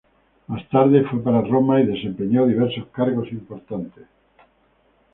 Más tarde fue para Roma y desempeñó diversos cargos importantes.